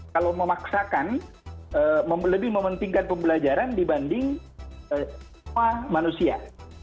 kalau memaksakan lebih mementingkan pembelajaran dibanding manusia